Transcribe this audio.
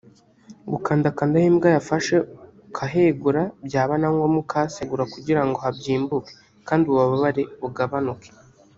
Gukandakanda aho imbwa yafashe ukahegura byaba na ngombwa ukahasegura kugirango habyimbuke kandi ububabare bugbanuke